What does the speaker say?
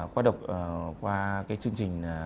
qua cái chương trình